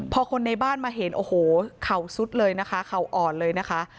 พอคนในบ้านมาเห็นโอ้โหเข่าซุดเลยนะคะเข่าอ่อนเลยนะคะ